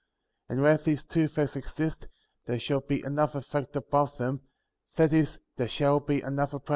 8. And where these two facts exist,^ there shall be another fact above them, that is, there shall be d, verse 7.